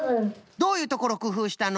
どういうところくふうしたの？